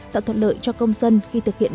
tạo thuận lợi cho công dân khi thực hiện